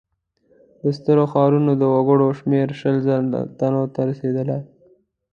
د سترو ښارونو د وګړو شمېر شل زره تنو ته رسېده.